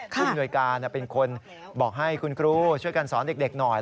ภูมิหน่วยการเป็นคนบอกให้คุณครูช่วยกันสอนเด็กหน่อย